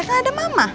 kan ada mama